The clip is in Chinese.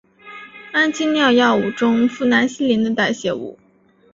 氨基脲药物中呋喃西林的代谢物。